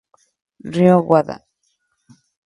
Ryo Wada